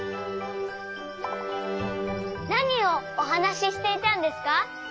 なにをおはなししていたんですか？